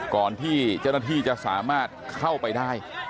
ก่อนที่เจ้าหน้าที่จะสามารถเข้าไปได้